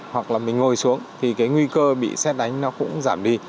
hoặc là mình ngồi xuống thì cái nguy cơ bị xét đánh nó cũng giảm đi